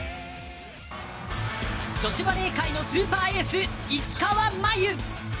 女子バレー界のスーパーエース石川真佑。